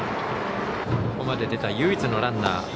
ここまで出た唯一のランナー。